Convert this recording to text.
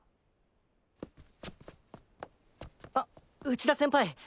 あっ内田先輩